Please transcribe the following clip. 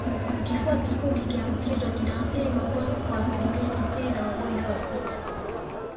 Kifua kikuu kikiambukiza kinaathiri mapafu kwa asilimia tisini ya wagonjwa sita